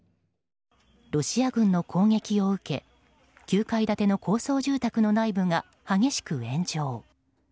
ロシア軍の攻撃を受け９階建ての高層住宅の内部が激しく炎上。